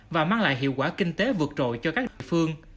và mang lại hiệu quả kinh tế vượt trội cho các địa phương